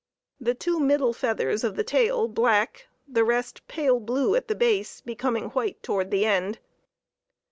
The two middle feathers of the tail black, the rest pale blue at the base, becoming white toward the end.